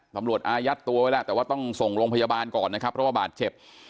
อายัดตัวไว้แล้วแต่ว่าต้องส่งโรงพยาบาลก่อนนะครับเพราะว่าบาดเจ็บ